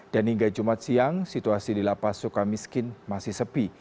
dan hingga jumat siang situasi di lapas suka miskin masih sepi